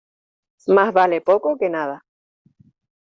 Más vale poco que nada.